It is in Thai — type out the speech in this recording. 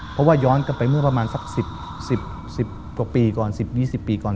เพราะว่าย้อนกลับไปเมื่อประมาณสัก๑๐๒๐ปีก่อน